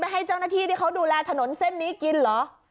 ให้เจ้าหน้าที่ที่เขาดูแลถนนเส้นนี้กินเหรอ